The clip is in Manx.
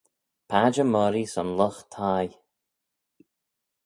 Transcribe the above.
Padjer moghree son lught-thie.